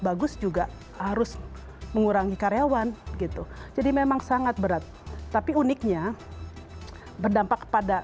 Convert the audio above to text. bagus juga harus mengurangi karyawan gitu jadi memang sangat berat tapi uniknya berdampak pada